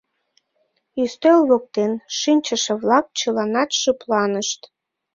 Ӱстел воктен шинчыше-влак чыланат шыпланышт.